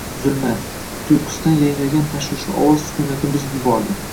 — Zulmat! — tuyqusdan yangragan tashvishli ovoz sukunatni buzib yubordi.